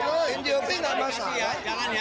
oh indiopi nggak masalah